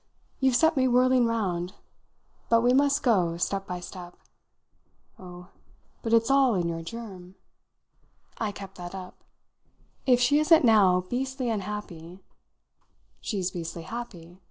You've set me whirling round, but we must go step by step. Oh, but it's all in your germ!" I kept that up. "If she isn't now beastly unhappy " "She's beastly happy?"